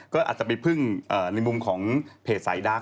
ก็อาจจะไปพึ่งในมุมของเพจสายดัง